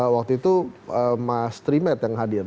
waktu itu mas trimet yang hadir